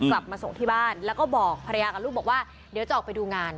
กลับมาส่งที่บ้านแล้วก็บอกภรรยากับลูกบอกว่าเดี๋ยวจะออกไปดูงาน